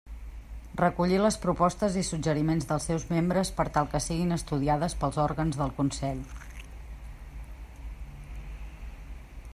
Recollir les propostes i suggeriments dels seus membres per tal que siguin estudiades pels òrgans del Consell.